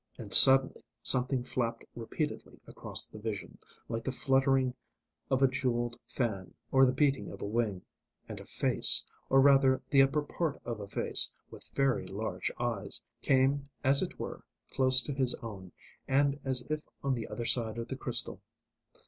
And suddenly something flapped repeatedly across the vision, like the fluttering of a jewelled fan or the beating of a wing, and a face, or rather the upper part of a face with very large eyes, came as it were close to his own and as if on the other side of the crystal.